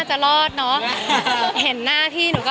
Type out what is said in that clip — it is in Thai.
ก็ดีดีค่ะดีค่ะ